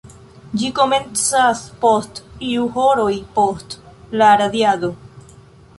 Ĝi komencas post iu horoj post la radiado.